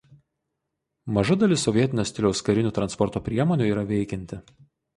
Maža dalis sovietinio stiliaus karinių transporto priemonių yra veikianti.